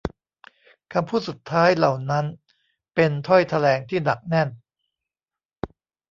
คำพูดสุดท้ายเหล่านั้นเป็นถ้อยแถลงที่หนักแน่น